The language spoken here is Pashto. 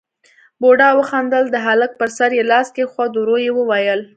بوډا وخندل، د هلک پر سر يې لاس کېښود، ورو يې وويل: